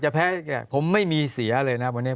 แพ้ผมไม่มีเสียเลยนะวันนี้